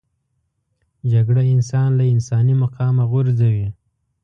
جګړه انسان له انساني مقامه غورځوي